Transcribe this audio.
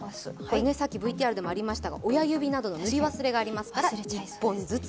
さっきＶＴＲでもありましたが親指などの塗り忘れがありますから１本ずつ。